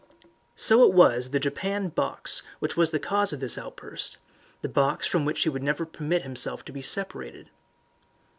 So it was the japanned box which was the cause of this outburst the box from which he would never permit himself to be separated.